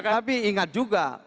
tapi ingat juga